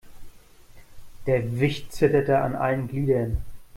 Der Wicht zitterte an allen Gliedern.